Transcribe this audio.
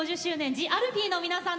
ＴＨＥＡＬＦＥＥの皆さんです。